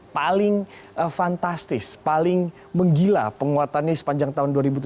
paling fantastis paling menggila penguatannya sepanjang tahun dua ribu tujuh belas